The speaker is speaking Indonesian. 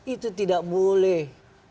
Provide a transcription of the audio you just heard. itu tidak boleh